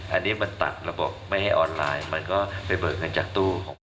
อันนี้มันตัดระบบไม่ให้ออนไลน์มันก็ไปเบิกเงินจากตู้ของเขา